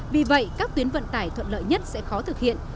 vì vậy các tuyến vận tải thuận lợi nhất sẽ khó thực hiện